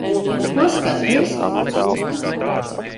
Ko skaties?